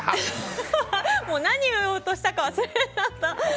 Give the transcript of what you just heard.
何を言おうとしたか忘れちゃった。